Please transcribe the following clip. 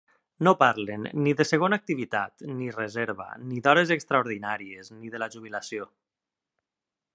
No parlen ni de segona activitat ni reserva, ni d'hores extraordinàries, ni de la jubilació.